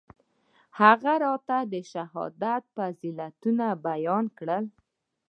هغه راته د شهادت فضيلتونه بيان کړل.